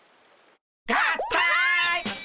合体！